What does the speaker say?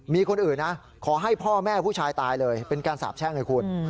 มีคนอื่นนะขอให้พ่อแม่ผู้ชายตายเลยเป็นการสาบแช่งให้คุณ